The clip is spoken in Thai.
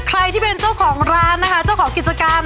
ใครที่เป็นเจ้าของร้านนะคะเจ้าของกิจการ